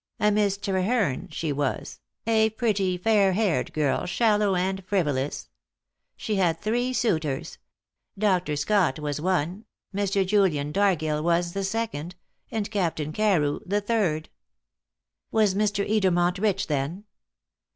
A Miss Treherne she was, a pretty, fair haired girl, shallow and frivolous. She had three suitors: Dr. Scott was one, Mr. Julian Dargill was the second, and Captain Carew the third." "Was Mr. Edermont rich then?"